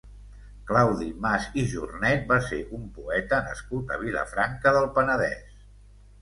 Claudi Mas i Jornet va ser un poeta nascut a Vilafranca del Penedès.